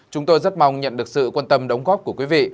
chúng tôi rất mong nhận được sự quan tâm đóng góp của quý vị